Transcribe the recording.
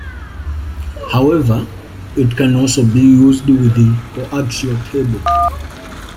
However, it can also be used with coaxial cable.